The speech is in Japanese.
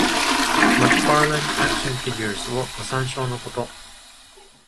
McFarlane Action Figures をご参照のこと。